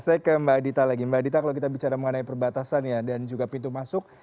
saya ke mbak adita lagi mbak adita kalau kita bicara mengenai perbatasan ya dan juga pintu masuk